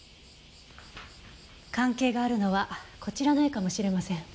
関係があるのはこちらの絵かもしれません。